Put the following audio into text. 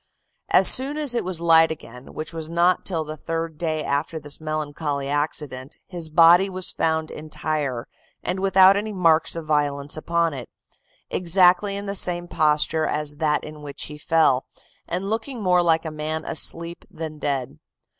"As soon as it was light again, which was not till the third day after this melancholy accident, his body was found entire, and without any marks of violence upon it, exactly in the same posture as that in which he fell, and looking more like a man asleep than dead.